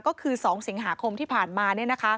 ก็คือ๒สิงหาคมที่ผ่านมา